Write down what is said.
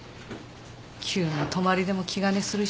急な泊まりでも気兼ねする人もいないし。